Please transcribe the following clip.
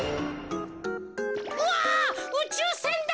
うわうちゅうせんだ！